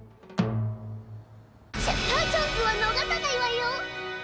シャッターチャンスはのがさないわよ！